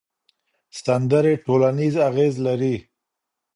سندرې ټولنیز اغېز لري.